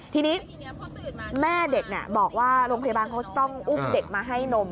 ทีนี้แม่เด็กบอกว่าโรงพยาบาลเขาจะต้องอุ้มเด็กมาให้นม